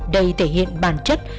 đây thể hiện bản chất